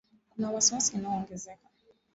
Kuna wasi wasi unaoongezeka